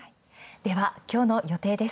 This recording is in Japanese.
ではきょうの予定です。